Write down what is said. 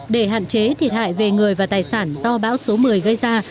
để hạn chế thiệt hại về người và tài sản do bão số một mươi gây ra